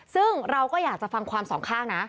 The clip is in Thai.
ซึ่งเราก็อยากจะฟังความสองข้างนะ